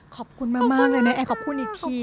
ขอบคุณมากเลยนะแอร์ขอบคุณอีกที